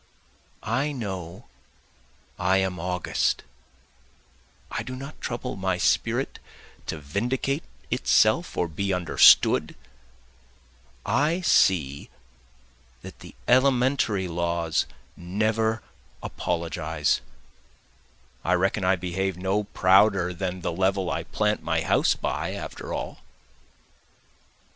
I know I am august, I do not trouble my spirit to vindicate itself or be understood, I see that the elementary laws never apologize, (I reckon I behave no prouder than the level I plant my house by, after all.)